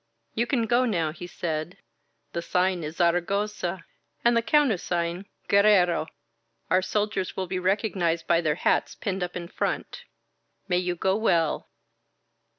"You can go now," he said. "The sign is ^Zaragosa* and the countersign 'Guerrero.' Our soldiers will be recognized by their hats pinned up in front. May you go well!"